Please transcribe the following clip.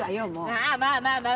ああまあまあまあ。